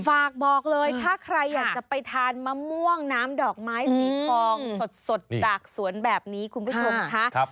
ฝากบอกเลยถ้าใครอยากจะไปทานมะม่วงน้ำดอกไม้สีทองสดจากสวนแบบนี้คุณผู้ชมค่ะ